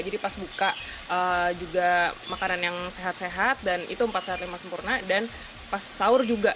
jadi pas buka juga makanan yang sehat sehat dan itu empat sehat lima sempurna dan pas sahur juga